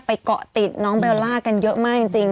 เกาะติดน้องเบลล่ากันเยอะมากจริง